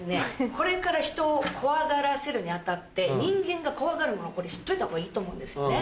これから人を怖がらせるに当たって人間が怖がるものこれ知っといたほうがいいと思うんですよね